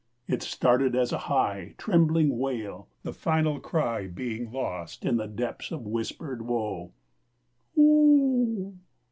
It started as a high, trembling wail, the final cry being lost in the depths of whispered woe: Oo ooh!